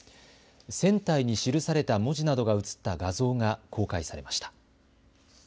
船体に記された文字などが写った画像が公開されました。